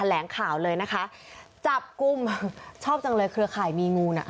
แหลงข่าวเลยนะคะจับกลุ่มชอบจังเลยเครือข่ายมีงูน่ะ